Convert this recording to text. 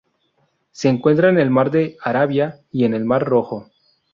Se encuentra en el mar de Arabia y en el mar Rojo.